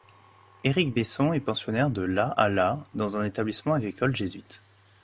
Éric Besson est pensionnaire de la à la dans un établissement agricole jésuite.